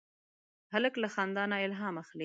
هلک له خندا نه الهام اخلي.